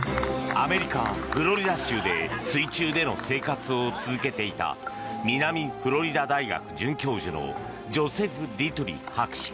アメリカ・フロリダ州で水中での生活を続けていた南フロリダ大学准教授のジョセフ・ディトゥリ博士。